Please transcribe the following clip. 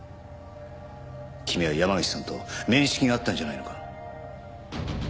君は山岸さんと面識があったんじゃないのか？